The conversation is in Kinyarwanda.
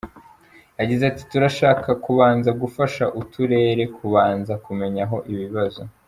Yagize ati “Turashaka kubanza gufasha uturere kubanza kumenya aho ibibazo.